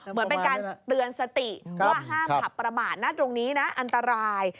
เหมือนเป็นการเตือนสติว่าห้ามขับประมาทนะตรงนี้นะอันตราย